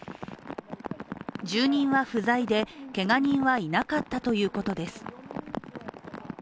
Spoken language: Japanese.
住人は不在でけが人はいなかったということです。